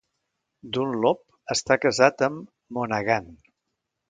Dunlop està casat amb Monaghan.